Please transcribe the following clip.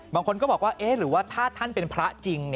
บางคนก็บอกว่าเอ๊ะหรือว่าถ้าท่านเป็นพระจริง